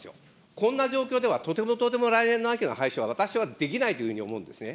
こんな状況では、とてもとても来年の秋の廃止は、私はできないというふうに思うんですね。